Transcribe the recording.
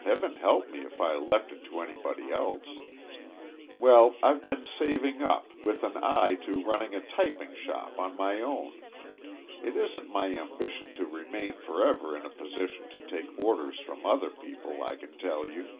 Heaven help me if I left it to anybody else. Well, I've been saving up, with an eye to running a typing shop on my own. It isn't my ambition to remain for ever in a position to take orders from other people, I can tell you.